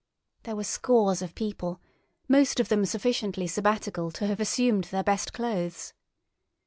There were scores of people, most of them sufficiently sabbatical to have assumed their best clothes.